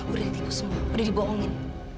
udah tipu semua udah diboongin